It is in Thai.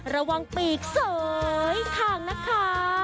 ระวังปีกเสร่อยข้างนะค่ะ